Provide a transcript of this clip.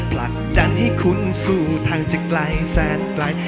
ผลักดันให้คุณสู่ทางจะไกลแสนไกล